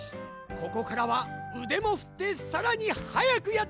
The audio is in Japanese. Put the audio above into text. ここからはうでもふってさらにはやくやってみるっち！